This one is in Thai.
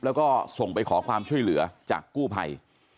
แล้วก็ส่งไปขอความช่วยเหลือจากกู้ภัย